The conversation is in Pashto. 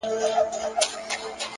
هره خبره خپل وزن لري!